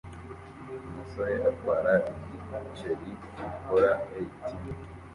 Umusore atwara igiceri gikora ATV